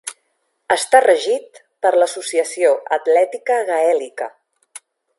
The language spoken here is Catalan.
Està regit per l'Associació Atlètica Gaèlica.